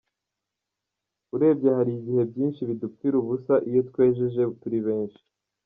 Urebye hari igihe byinshi bidupfira ubusa iyo twejeje turi benshi.